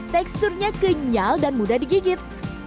teksturnya kenyal dan mudah digigit